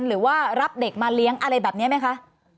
หรือว่ารับเด็กมาเลี้ยงอะไรแบบนี้ไหมคะ